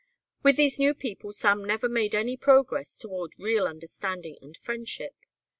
With these new people Sam never made any progress toward real understanding and friendship.